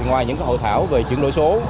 ngoài những hội thảo về chuyển đổi số